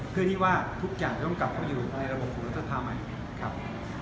เพื่อที่ว่าทุกอย่างจะต้องกลับมาอยู่ในระบบของรัฐสภาใหม่ครับ